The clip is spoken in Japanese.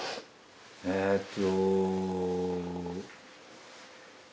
「えーっと」